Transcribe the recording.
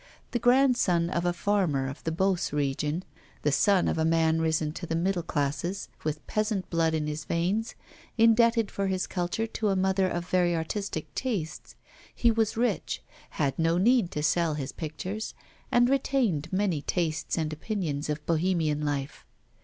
The grandson of a farmer of the Beauce region, the son of a man risen to the middle classes, with peasant blood in his veins, indebted for his culture to a mother of very artistic tastes, he was rich, had no need to sell his pictures, and retained many tastes and opinions of Bohemian life.